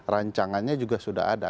rancangannya juga sudah ada